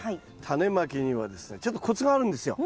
タネまきにはですねちょっとコツがあるんですよ。